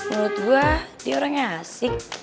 menurut gue dia orangnya asik